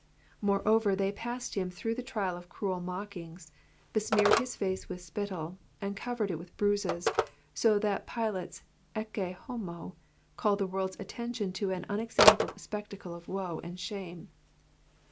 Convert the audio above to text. Moreover, they passed him through the trial of cruel mockings, besmeared his face with spittle, and covered it with bruises, so that Pilate^s Ecce Homo'' called the world's attention to an unexampled spectacle of woe and shame.